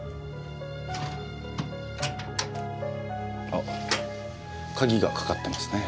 あっ鍵がかかってますね。